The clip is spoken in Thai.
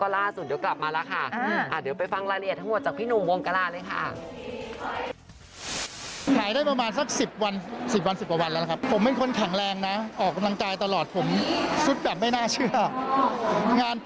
แล้วก็ล่าสุดเดี๋ยวกลับมาล่ะค่ะ